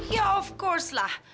ya tentu lah